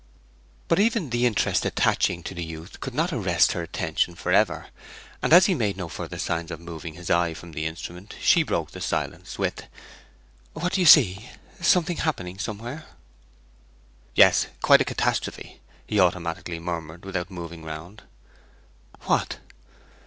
But even the interest attaching to the youth could not arrest her attention for ever, and as he made no further signs of moving his eye from the instrument she broke the silence with 'What do you see? something happening somewhere?' 'Yes, quite a catastrophe!' he automatically murmured, without moving round. 'What?'